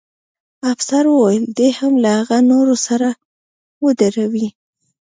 افسر وویل: دی هم له هغه نورو سره ودروئ.